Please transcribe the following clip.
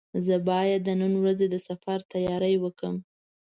زه باید د نن ورځې د سفر تیاري وکړم.